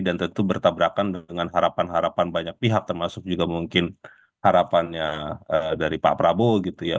tentu bertabrakan dengan harapan harapan banyak pihak termasuk juga mungkin harapannya dari pak prabowo gitu ya